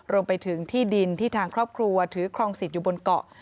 รวมไปถึงที่ดินที่ทางครอบครัวถือครองสิทธิ์อยู่บนเกาะ